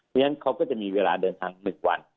เพราะฉะนั้นเขาก็จะมีเวลาเดินทาง๑วัน